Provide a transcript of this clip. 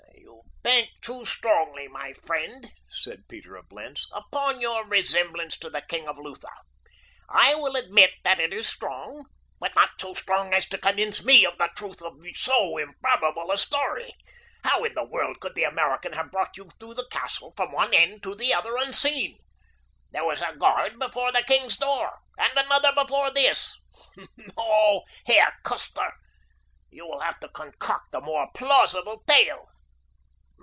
"You bank too strongly, my friend," said Peter of Blentz, "upon your resemblance to the king of Lutha. I will admit that it is strong, but not so strong as to convince me of the truth of so improbable a story. How in the world could the American have brought you through the castle, from one end to the other, unseen? There was a guard before the king's door and another before this. No, Herr Custer, you will have to concoct a more plausible tale.